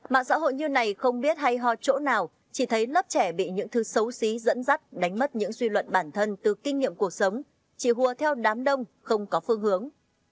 mạng xã hội như này không biết hay hò chỗ nào chỉ thấy lớp trẻ bị những thứ xấu xí dẫn dắt đánh mất những suy luận bản thân từ kinh nghiệm cuộc sống chỉ hùa theo đám đông không có phương hướng